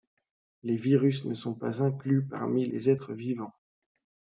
Les virus ne sont pas inclus parmi les être vivants.